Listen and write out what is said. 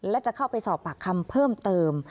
และจะเข้าไปสอบปากคำเพิ่มเติม